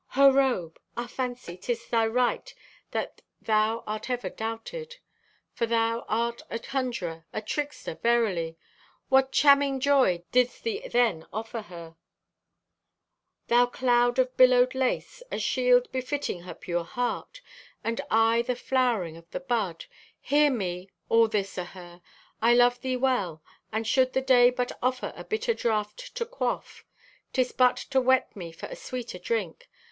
"Her robe! Ah, Fancy, 'tis thy right that thou art ever doubted. For thou art a conjurer, a trickster, verily. What chamming joy didst thee then offer her? Footnote 5: Obsolete form of "champing." Used here figuratively. "Thou cloud of billowed lace, a shield befitting her pure heart! And I the flowering of the bud! Hear me, all this o' her! I love thee well, and should the day but offer a bitter draft to quaff, 'tis but to whet me for a sweeter drink.